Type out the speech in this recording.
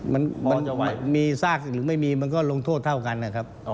มันมีซากหรือไม่มีมันก็ลงโทษเท่ากันนะครับ